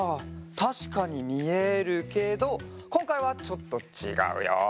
たしかにみえるけどこんかいはちょっとちがうよ。